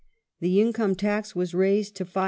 The income tax was raised to 5d.